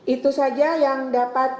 itu saja yang dapat